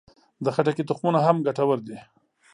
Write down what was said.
د خټکي تخمونه هم ګټور دي.